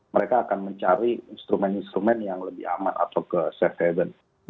mereka akan mencari instrumen instrumen yang lebih aman atau ke safe haven